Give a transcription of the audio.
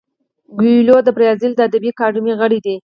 کویلیو د برازیل د ادبي اکاډمۍ غړی دی.